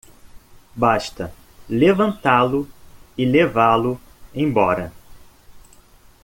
Basta levantá-lo e levá-lo embora.